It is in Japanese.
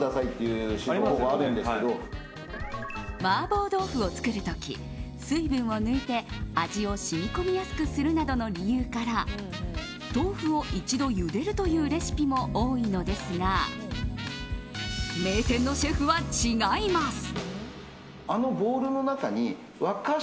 麻婆豆腐を作る時水分を抜いて味を染み込みやすくするなどの理由から豆腐を一度ゆでるというレシピも多いのですが名店のシェフは違います。